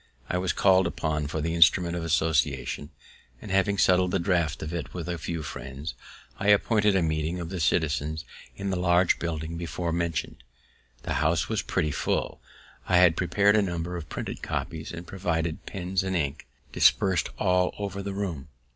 I was call'd upon for the instrument of association, and having settled the draft of it with a few friends, I appointed a meeting of the citizens in the large building before mentioned. The house was pretty full; I had prepared a number of printed copies, and provided pens and ink dispers'd all over the room.